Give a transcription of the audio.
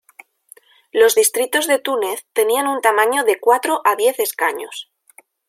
Los distritos de Túnez tenían un tamaño de cuatro a diez escaños.